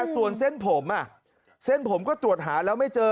ส่วนเส้นผมเส้นผมก็ตรวจหาแล้วไม่เจอ